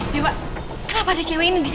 dewa kenapa ada cewek ini di sini